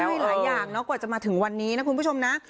ใช่หลายอย่างกว่าจะมาถึงวันนี้นะคุณผู้ชมนะ